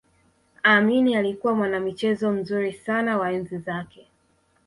Amin alikuwa mwanamichezo mzuri sana wa enzi zake